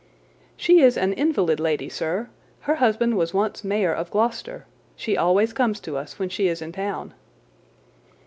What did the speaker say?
"She is an invalid lady, sir. Her husband was once mayor of Gloucester. She always comes to us when she is in town."